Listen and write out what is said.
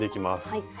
はい。